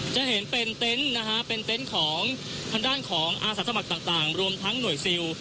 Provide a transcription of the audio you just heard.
จะเห็นเป็นเต็นต์นะฮะเป็นเต็นต์ของทางด้านของอาสาสมัครต่างรวมทั้งหน่วยซิล